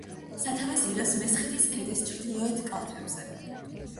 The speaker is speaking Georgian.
სათავეს იღებს მესხეთის ქედის ჩრდილოეთ კალთებზე.